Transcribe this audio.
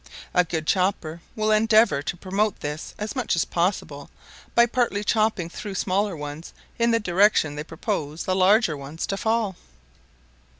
A good chopper will endeavour to promote this as much as possible by partly chopping through smaller ones in the direction they purpose the larger one to fall.